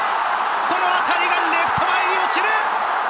この当たりはレフト前に落ちる！